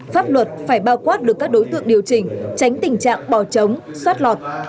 pháp luật phải bao quát được các đối tượng điều chỉnh tránh tình trạng bò chống xoát lọt